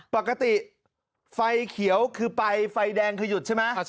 ปกติไฟเขียวคือไปไฟแดงคือหยุดใช่ไหม